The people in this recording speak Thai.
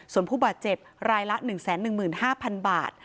ส่วนผู้บาดเจ็บรายละ๑๑๕๐๐๐บาท